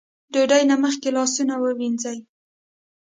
ډوډۍ نه مخکې لاسونه ووينځئ ـ